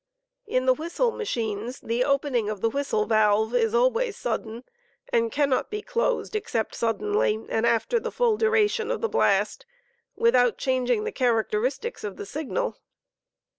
(In the whistle machines the opening of the whistle valve is always sudden, and cannot be closed except suddenly, and after the full duration of the blast, without changing the characteristics of the signal.)